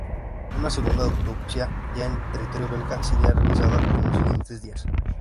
Una segunda autopsia, ya en territorio belga, sería realizada en los días siguientes.